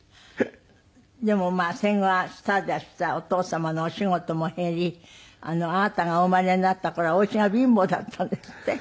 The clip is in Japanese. でも戦後はスターでいらしたお父様のお仕事も減りあなたがお生まれになった頃はおうちが貧乏だったんですって？